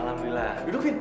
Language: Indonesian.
alhamdulillah duduk vin